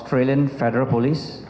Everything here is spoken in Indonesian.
kepolisian federal australia